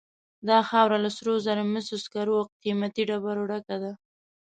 دا خاوره له سرو زرو، مسو، سکرو او قیمتي ډبرو ډکه ده.